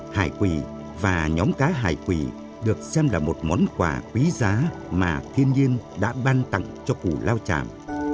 hải quỳ và nhóm cá hải quỳ được xem là một món quà quý giá mà thiên nhiên đã ban tặng cho củ lao chạm